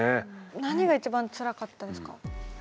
何が一番つらかったですか？